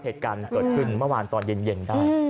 เหตุการณ์เกิดขึ้นเมื่อวานตอนเย็นได้